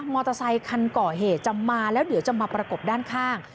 อเตอร์ไซคันก่อเหตุจะมาแล้วเดี๋ยวจะมาประกบด้านข้าง